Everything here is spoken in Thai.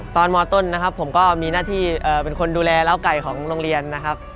มต้นนะครับผมก็มีหน้าที่เป็นคนดูแลล้าวไก่ของโรงเรียนนะครับ